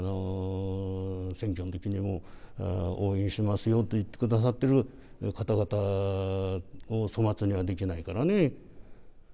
選挙のときにも、応援しますよと言ってくださってる方々を粗末にはできないからね。